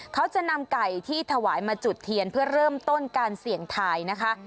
เขาจะนำไก่ที่ถวายมาจุดเทียนเพื่อเริ่มต้นการเสี่ยงทายนะคะ